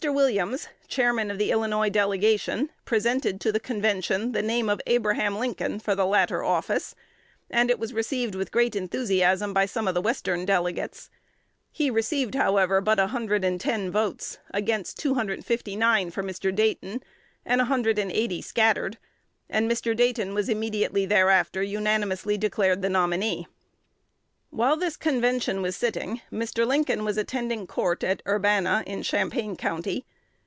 Williams, Chairman of the Illinois Delegation, presented to the convention the name of Abraham Lincoln for the latter office; and it was received with great enthusiasm by some of the Western delegates. He received, however, but 110 votes, against 259 for Mr. Dayton, and 180 scattered; and Mr. Dayton was immediately thereafter unanimously declared the nominee. While this convention was sitting, Mr. Lincoln was attending court at Urbana, in Champaign County.